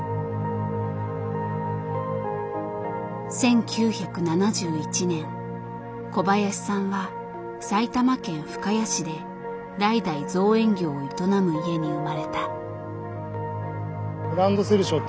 １９７１年小林さんは埼玉県深谷市で代々造園業を営む家に生まれた。